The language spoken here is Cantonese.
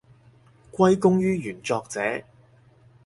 歸功於原作者